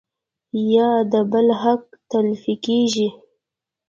يا د بل حق تلفي کيږي